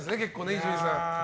伊集院さん。